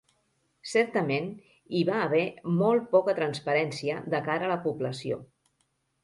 Certament, hi va haver molt poca transparència de cara a la població.